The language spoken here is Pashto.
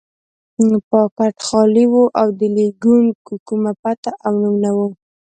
پاکټ خالي و او د لېږونکي کومه پته او نوم نه و.